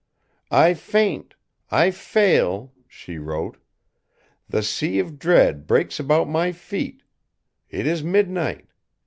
"I faint, I fail!" she wrote. "The Sea of Dread breaks about my feet. It is midnight.